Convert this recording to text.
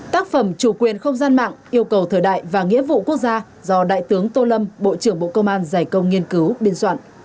tác phẩm chủ quyền không gian mạng yêu cầu thời đại và nghĩa vụ quốc gia do đại tướng tô lâm bộ trưởng bộ công an giải công nghiên cứu biên soạn